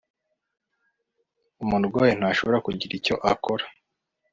umurwayi ntashobora kugira icyo akora